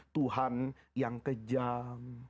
tuhan yang kejam